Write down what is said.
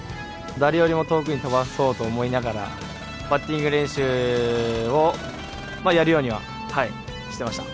誰より遠くに飛ばそうと思いながらバッティング練習をやるようにはしてました。